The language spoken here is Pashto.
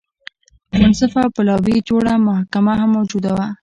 منصفه پلاوي جوړه محکمه هم موجوده وه.